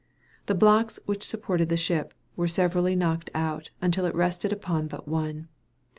The blocks which supported the ship were severally knocked out, until it rested upon but one.